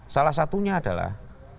salah satunya adalah